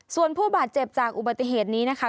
ส่วนผู้บาดเจ็บจากอุบัติเหตุนี้นะคะ